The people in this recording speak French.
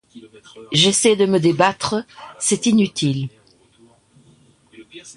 J’essaie de me débattre... c’est inutile.